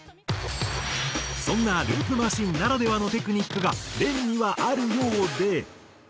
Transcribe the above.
そんなループマシンならではのテクニックがＲｅＮにはあるようで。